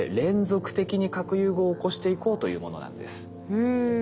うん。